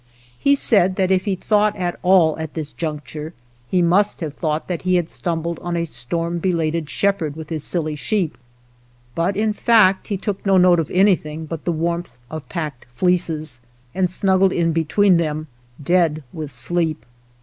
He said that if he thought at all at this juncture he must have thought that he had stumbled on a storm belated shepherd with his silly sheep; but in fact he took no note of anything but the warmth of packed fleeces, and snuggled in be tween them dead with sleep.